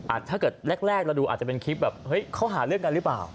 ถ้าเกิดแรกเราดูอาจจะเป็นคลิปแบบเฮ้ยเขาหาเรื่องกันหรือเปล่า